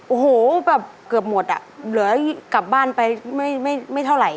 โอ้โหแบบเกือบหมดอ่ะเหลือกลับบ้านไปไม่เท่าไหร่